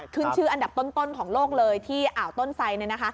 ขึ้นชื่ออันดับต้นของโลกเลยที่อ่าวต้นไซด